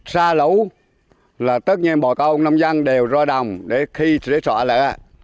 sa lũ là tất nhiên bò cao ông nông dân đều ro đồng để khi sợ lỡ